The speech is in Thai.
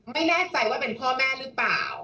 ไม่แน่ใจว่าเป็นพ่อแม่หรือเปล่า